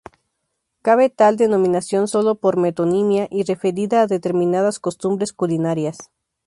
Cabe tal denominación sólo por metonimia y referida a determinadas costumbres culinarias.